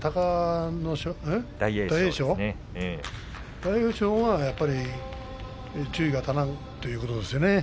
大栄翔は注意が足りなかったということですね。